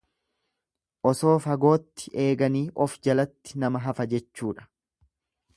Osoo fagootti eeganii of jalatti nama hafa jechuudha.